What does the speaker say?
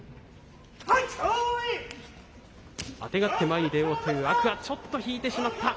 あてがって前に出ようという天空海、ちょっと引いてしまった。